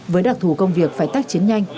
với đặc thù công việc phải tác chiến nhanh